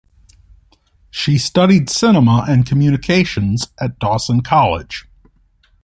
She studied Cinema and Communications at Dawson College.